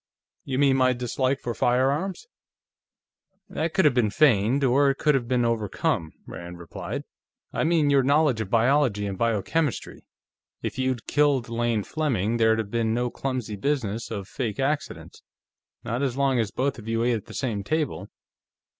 "You mean my dislike for firearms?" "That could have been feigned, or it could have been overcome," Rand replied. "I mean your knowledge of biology and biochemistry. If you'd killed Lane Fleming, there'd have been no clumsy business of fake accidents; not as long as both of you ate at the same table.